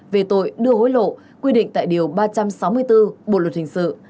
về tội đưa hối lộ quy định tại điều ba trăm sáu mươi bốn bộ luật hình sự